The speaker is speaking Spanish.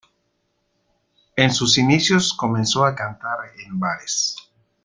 En sus inicios comenzó a cantar en bares.